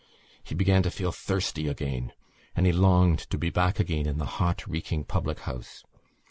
He began to feel thirsty again and he longed to be back again in the hot reeking public house.